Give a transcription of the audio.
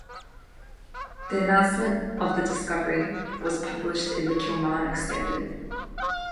The announcement of the discovery was published in the Kilmarnock Standard.